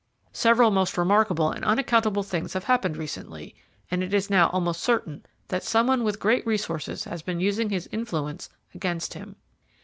Several most remarkable and unaccountable things have happened recently, and it is now almost certain that some one with great resources has been using his influence against him.